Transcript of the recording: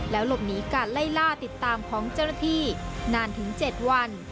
หลบหนีการไล่ล่าติดตามของเจ้าหน้าที่นานถึง๗วัน